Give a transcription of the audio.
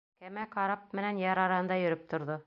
Кәмә карап менән яр араһында йөрөп торҙо.